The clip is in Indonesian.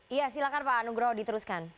iya silakan pak nugroho diteruskan